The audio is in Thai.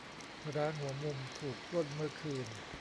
ร้านหัวมุมถูกปล้นเมื่อคืน